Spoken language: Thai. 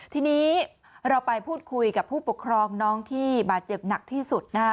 ทีนี้เราไปพูดคุยกับผู้ปกครองน้องที่บาดเจ็บหนักที่สุดนะคะ